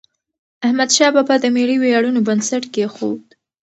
احمدشاه بابا د ملي ویاړونو بنسټ کېښود.